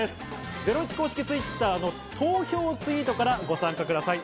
ゼロイチ公式Ｔｗｉｔｔｅｒの投票ツイートからご参加ください。